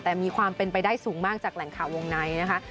แต่มีความเป็นไปได้สูงมากจากแหล่งข่าววงในนะคะ